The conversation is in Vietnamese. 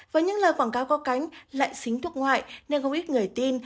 với những lời quảng cáo có cánh lại xính thuốc ngoại nên không ít người tin